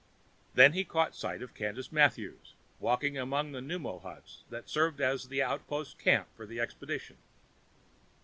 Then he caught sight of Candace Mathews, walking among the pneuma huts that served as the outpost camp for the expedition.